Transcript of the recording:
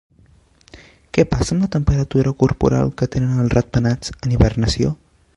Què passa amb la temperatura corporal que tenen els ratpenats en hibernació?